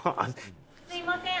すいません。